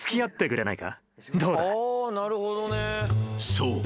［そう。